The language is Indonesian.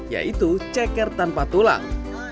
yaitu ceker tanpa tulang